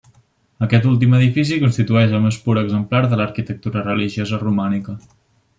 Aquest últim edifici constitueix el més pur exemplar de l'arquitectura religiosa romànica.